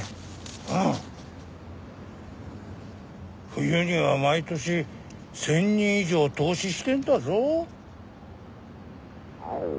冬には毎年１０００人以上凍死してんだぞ。